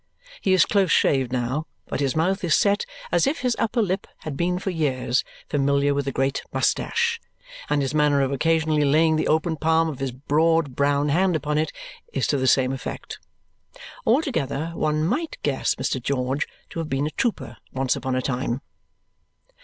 He is close shaved now, but his mouth is set as if his upper lip had been for years familiar with a great moustache; and his manner of occasionally laying the open palm of his broad brown hand upon it is to the same effect. Altogether one might guess Mr. George to have been a trooper once upon a time.